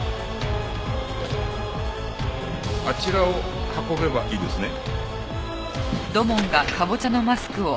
あちらを運べばいいですね？